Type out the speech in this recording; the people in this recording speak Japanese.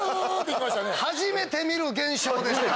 初めて見る現象でした。